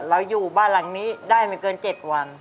อยู่บ้านหลังนี้ได้ไม่เกิน๗วัน